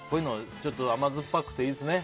ちょっと甘酸っぱくていいですね。